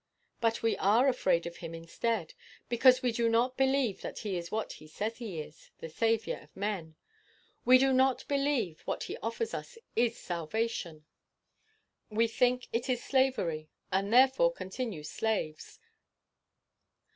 But we are afraid of him instead, because we do not believe that he is what he says he is the Saviour of men. We do not believe what he offers us is salvation. We think it is slavery, and therefore continue slaves.